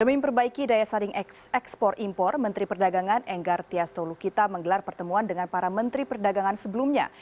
demi memperbaiki daya saing ekspor impor menteri perdagangan enggar tias tolukita menggelar pertemuan dengan para menteri perdagangan sebelumnya